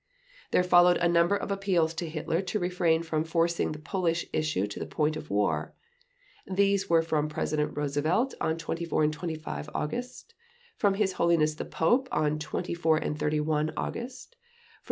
There followed a number of appeals to Hitler to refrain from forcing the Polish issue to the point of war. These were from President Roosevelt on 24 and 25 August; from his Holiness the Pope on 24 and 31 August; and from M.